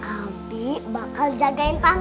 abi bakal jagain tante dewi